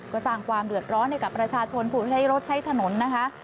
ก็สร้างความเดือดร้อนให้กับประชาชนผู้ใช้รถใช้ถนนนะคะ